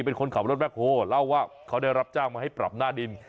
เป็นคนขับรถแบ็คโฮเล่าว่าเขาได้รับจ้างมาให้ปรับหน้าดิน